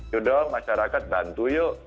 yodong masyarakat bantu yuk